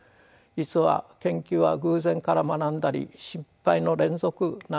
実は研究は偶然から学んだり失敗の連続なのです。